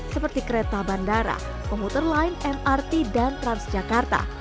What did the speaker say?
seperti kereta bandara komuter lain mrt dan transjakarta